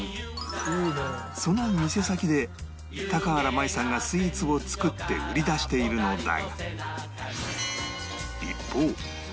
その店先で原舞さんがスイーツを作って売り出しているのだが